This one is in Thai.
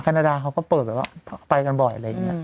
แคนนาดาเขาก็เปิดเป็นว่าไปกันบ่อยอะไรแบบนี้